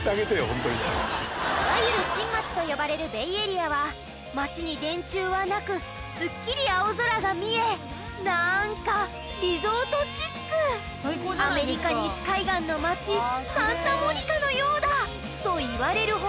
ホントにいわゆる新町と呼ばれるベイエリアは町に電柱はなくすっきり青空が見え何かリゾートチックアメリカ西海岸の町サンタモニカのようだ！といわれるほど